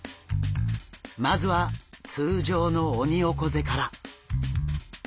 まずは通常のオニオコゼから。